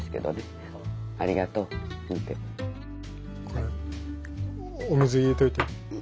これお水入れておいて。